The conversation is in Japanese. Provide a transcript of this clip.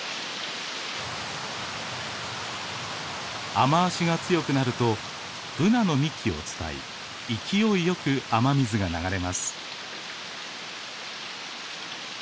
雨足が強くなるとブナの幹を伝い勢いよく雨水が流れます。